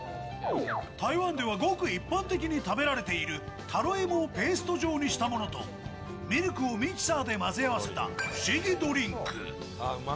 台湾ではごく一般的に食べられているタロイモをペースト状にしたものと、ミルクをミキサーで混ぜ合わせた不思議ドリンク。